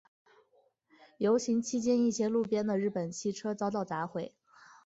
游行期间一些路边的日本汽车遭到砸毁。